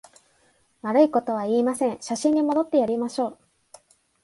悪いことは言いません、初心に戻ってやりましょう